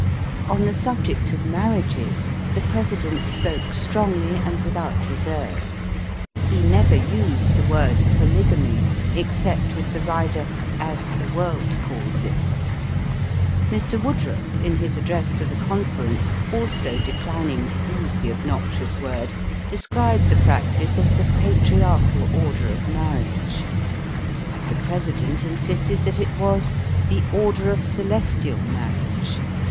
On the subject of marriages, the President spoke strongly and without reserve. He never used the word polygamy" except with the rider, ^' as the world calls it." Mr. Woodruff, in his address to the Conference, also declining to use the obnoxious word, described the practice as the patriarchal order of marriage. The President insisted that it was ^^ the order of celestial marriage."